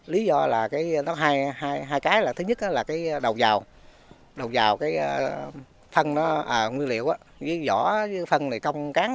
lý do là thứ nhất là đầu vào phân nguyên liệu với vỏ phân công cán cao